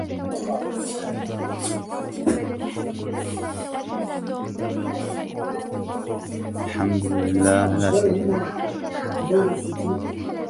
الحمد لله لا شريك له